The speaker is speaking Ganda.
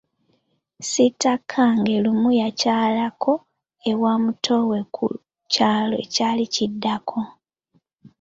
Sitakange lumu yakyalako ewa mutoowe ku kyalo ekyali kiddako.